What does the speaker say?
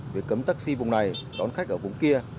việc cấm taxi vùng này đón khách ở vùng kia